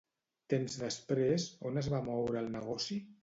Temps després, on es va moure el negoci?